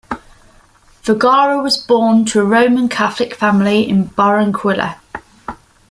Vergara was born to a Roman Catholic family in Barranquilla.